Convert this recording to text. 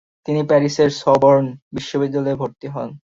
তিনি প্যারিসের সবর্ন বিশ্ববিদ্যালয়ে ভর্তি হন।